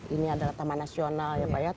ini adalah taman nasional ya pak ya